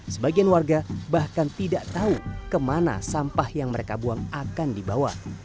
sebagian warga bahkan tidak tahu kemana sampah yang mereka buang akan dibawa